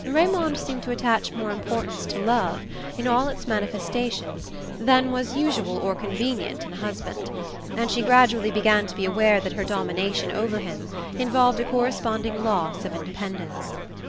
Raymond seemed to attach more importance to love, in all its manifestations, than was usual or convenient in a husband; and she gradually began to be aware that her domination over him involved a corresponding loss of independence.